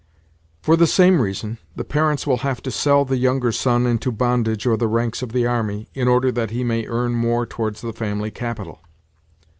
For the same reason, the parents will have to sell the younger son into bondage or the ranks of the army, in order that he may earn more towards the family capital.